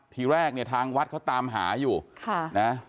ทีแรกเนี่ยทางวัดเขาตามหาอยู่ค่ะนะ